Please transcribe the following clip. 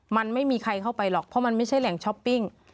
มันไม่มีใครเข้าไปหรอกเพราะมันไม่ใช่แหล่งช้อปปิ้ง